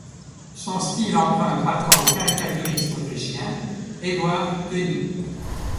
Son style emprunte parfois au caricaturiste autrichien Eduard Thöny.